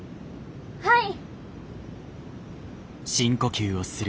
はい！